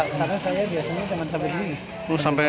karena saya biasanya cuma sampai sini